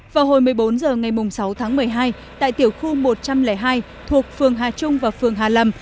vào hồi một mươi bốn h ngày sáu tháng một mươi hai tại tiểu khu một trăm linh hai thuộc phường hà trung và phường hà lâm